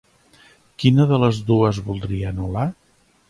Quina de les dues voldria anul·lar?